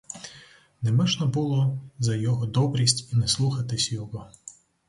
Не можна було за його добрість і не слухатися його.